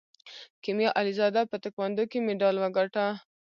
کیمیا علیزاده په تکواندو کې مډال وګاټه.